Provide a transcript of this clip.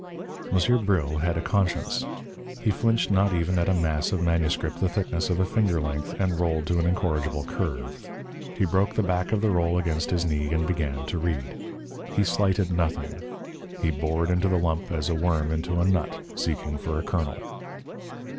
Monsieur Bril had a conscience. He flinched not even at a mass of manuscript the thickness of a finger length and rolled to an incorrigible curve. He broke the back of the roll against his knee and began to read. He slighted nothing; he bored into the lump as a worm into a nut, seeking for a kernel.